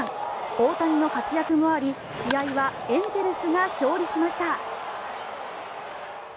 大谷の活躍もあり試合はエンゼルスが勝利しました。